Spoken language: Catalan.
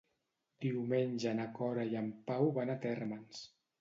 Diumenge na Cora i en Pau van a Térmens.